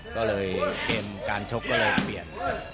ก็เลยเกมการชกก็เลยเปลี่ยน